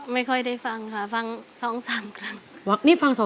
ไม่ค่อยได้ฟังค่ะฟัง๒๓ครั้ง